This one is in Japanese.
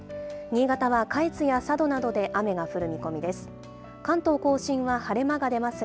新潟は下越や佐渡などで雨が降る見込みです。